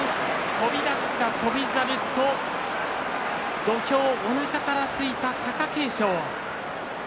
飛び出した翔猿と土俵、おなかからついた貴景勝。